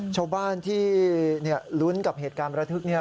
ชาวบ้านที่ลุ้นกับเหตุการณ์ประทึกเนี่ย